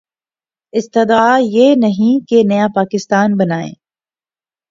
استدعا یہ نہیں کہ نیا پاکستان بنائیں۔